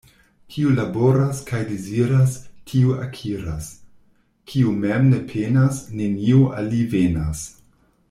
Kiu laboras kaj deziras, tiu akiras — kiu mem ne penas, nenio al li venas.